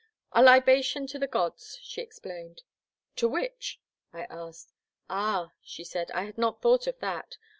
A libation to the gods/' she explained. "To which?*' I asked. " Ah, she said ; I had not thought of that.